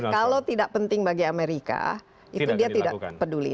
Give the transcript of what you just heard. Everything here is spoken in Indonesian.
kalau tidak penting bagi amerika itu dia tidak peduli